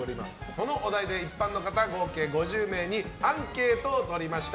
そのお題で一般の方合計５０名にアンケートを取りました。